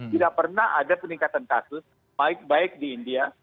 tidak pernah ada peningkatan kasus baik baik di india